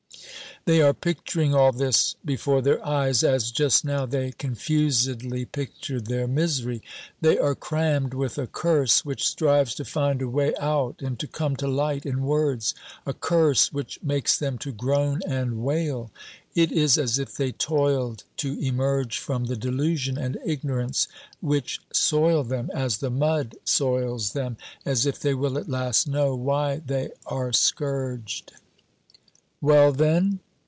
They are picturing all this before their eyes as just now they confusedly pictured their misery. They are crammed with a curse which strives to find a way out and to come to light in words, a curse which makes them to groan and wail. It is as if they toiled to emerge from the delusion and ignorance which soil them as the mud soils them; as if they will at last know why they are scourged. "Well then?"